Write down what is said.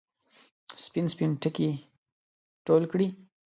سپین، سپین ټکي ټول کړي